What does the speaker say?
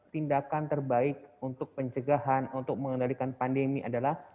tindakan terbaik untuk pencegahan untuk mengendalikan pandemi adalah